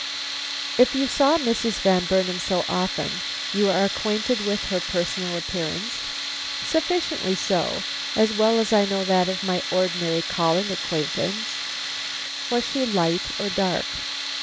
"If you saw Mrs. Van Burnam so often, you are acquainted with her personal appearance?" "Sufficiently so; as well as I know that of my ordinary calling acquaintance." "Was she light or dark?"